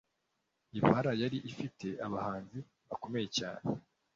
Impala yari ifite abahanzi bakomeye cyane